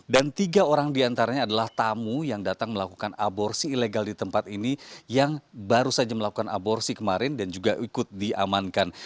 dan tiga orang diantaranya adalah tamu yang datang melakukan aborsi ilegal di tempat ini yang baru saja melakukan aborsi kemarin dan juga ikut diamankan